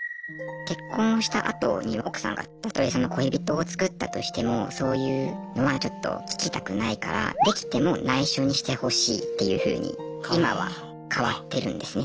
結婚したあとに奥さんがたとえ恋人を作ったとしてもそういうのはちょっと聞きたくないからっていうふうに今は変わってるんですね。